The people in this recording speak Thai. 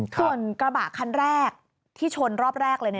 ส่วนกระบะคันแรกที่ชนรอบแรกเลย